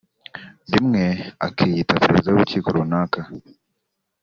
rimwe akiyita Perezida w’urukiko runaka